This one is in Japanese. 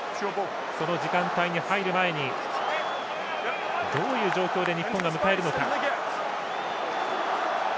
その時間帯に入る前にどういう状況で日本が迎えるのか。